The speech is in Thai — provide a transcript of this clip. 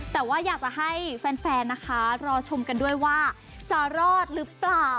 แต่ว่าอยากจะให้แฟนนะคะรอชมกันด้วยว่าจะรอดหรือเปล่า